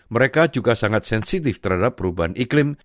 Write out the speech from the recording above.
mereka juga sangat sensitif terhadap perubahan iklim